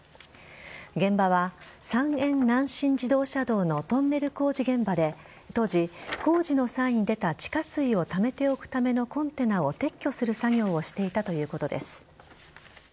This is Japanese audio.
現場は三遠南信自動車道のトンネル工事現場で当時、工事の際に出た地下水をためておくためのコンテナを撤去する作業をしていたということです。